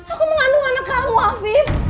aku mengandung anak kamu afif